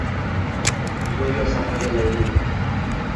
Go’yo sahnada Layli